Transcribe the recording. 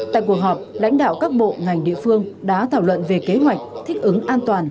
tại cuộc họp lãnh đạo các bộ ngành địa phương đã thảo luận về kế hoạch thích ứng an toàn